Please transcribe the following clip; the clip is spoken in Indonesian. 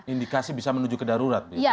indikasi bisa menuju ke darurat